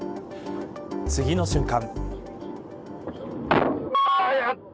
次の瞬間。